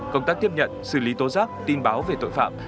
công tác tiếp nhận xử lý tố giác tin báo về tội phạm